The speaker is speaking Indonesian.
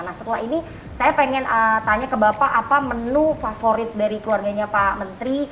nah setelah ini saya pengen tanya ke bapak apa menu favorit dari keluarganya pak menteri